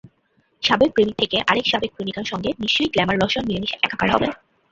সাবেক প্রেমিক থেকে আরেক সাবেক প্রেমিকের সঙ্গে নিশ্চয়ই গ্ল্যামার-রসায়ন মিলেমিশে একাকার হবে।